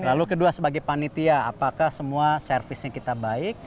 lalu kedua sebagai panitia apakah semua servisnya kita baik